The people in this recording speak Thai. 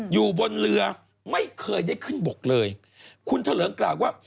อยู่บนเรือไม่เคยได้ขึ้นบกเลยคุณเถลิงกล่าวว่า